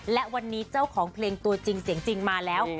และวันนี้เจ้าของเพลงตัวจริงเสียงจริงมาแล้ว